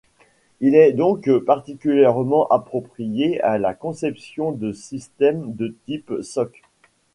Il est donc particulièrement approprié à la conception de systèmes de type SoC.